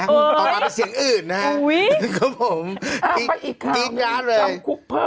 อันนี้ขายไปเป็นเสียงอื่นนะครับ